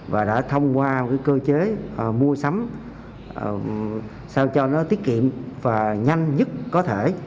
và đã thông qua cơ chế mua sắm sao cho nó tiết kiệm và nhanh nhất có thể